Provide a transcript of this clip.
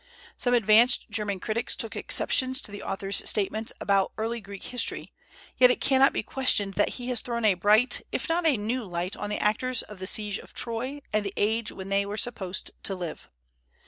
Some advanced German critics took exceptions to the author's statements about early Greek history; yet it cannot be questioned that he has thrown a bright if not a new light on the actors of the siege of Troy and the age when they were supposed to live.